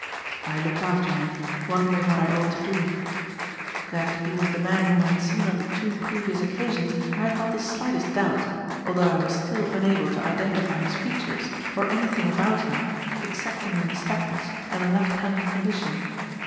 I looked after him, wondering what I ought to do. That he was the man whom I had seen on the two previous occasions I had not the slightest doubt, although I was still unable to identify his features or anything about him excepting the nystagmus and the left handed condition.